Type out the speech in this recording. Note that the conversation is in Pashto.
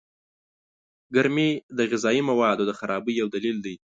گرمي د غذايي موادو د خرابۍ يو دليل دئ.